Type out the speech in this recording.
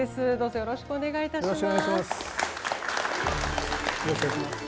よろしくお願いします。